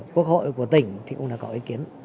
quốc hội của tỉnh thì cũng đã có ý kiến